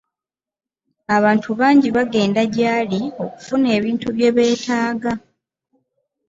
Abantu bangi bagenda gy'ali okufuna ebintu bye beetaaga.